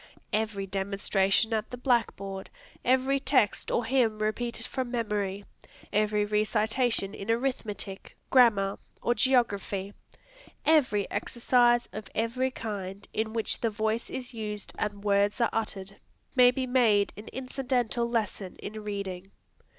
Every demonstration at the blackboard, every text or hymn repeated from memory, every recitation in arithmetic, grammar, or geography, every exercise of every kind in which the voice is used and words are uttered, may be made an incidental lesson in reading.